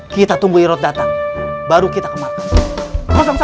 kita tunggu irot datang baru kita ke markas